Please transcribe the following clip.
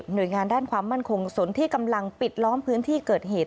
โดยงานด้านความมั่นคงสนที่กำลังปิดล้อมพื้นที่เกิดเหตุ